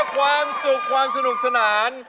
ความสุขความสนุกสนาน